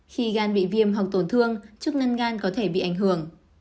khi gan bị viêm hoặc tổn thương chức ngân gan có thể bị ảnh hưởng